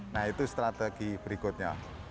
nah itu strategi berikutnya